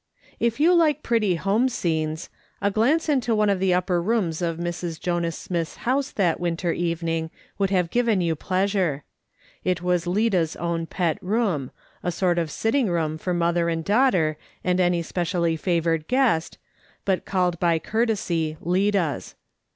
If you like pretty home scenes, a glance into one of the upper rooms of Mr. Jonas Smith's house that winter evening would have given you pleasure. It was Lida's own pet room ; a sort of sitting room for mother and daughter, and any specially favoured guest, but called by courtesy Lida's.